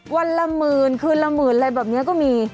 วันละหมื่นคืนละหมื่นอะไรแบบนี้ก็มี